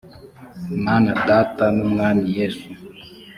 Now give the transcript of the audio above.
mana data n umwami yesu